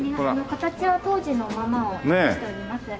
形は当時のままを残しております。